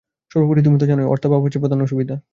সর্বোপরি তুমি তো জানই, অর্থাভাব হচ্ছে প্রধান অসুবিধা।